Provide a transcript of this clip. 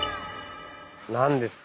何ですか？